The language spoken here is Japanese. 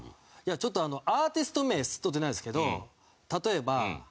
ちょっとアーティスト名スッと出ないんですけど例えば。